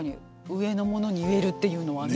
上の者に言えるっていうのはね。